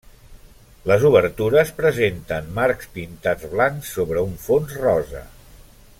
Les obertures presenten marcs pintats blancs sobre un fons rosa.